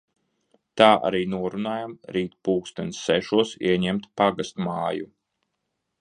Tā arī norunājam rīt pulksten sešos ieņemt pagastmāju.